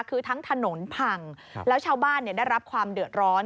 คือทั้งถนนพังแล้วชาวบ้านได้รับความเดือดร้อน